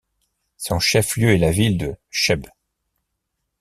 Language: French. Son chef-lieu est la ville de Cheb.